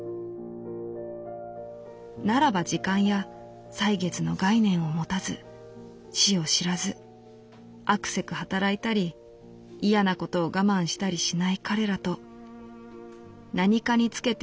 「ならば時間や歳月の概念を持たず死を知らずあくせく働いたり嫌なことを我慢したりしない彼らとなにかにつけて思い